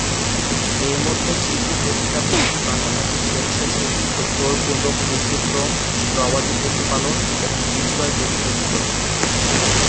এর মধ্যে শিশু পতিতাবৃত্তির পাশাপাশি স্বেচ্ছাসেবী ও জোরপূর্বক কৃষি শ্রম, গবাদি পশুপালন এবং বিক্রয় জড়িত ছিল।